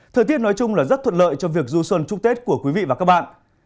thời tiết nói chung là rất thuận lợi cho việc du xuân chúc tết của quý vị và các bạn